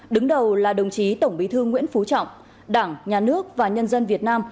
đứng đầu là đồng chí tổng bí thư nguyễn phú trọng đảng nhà nước và nhân dân việt nam